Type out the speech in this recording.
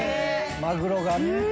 マグロがね。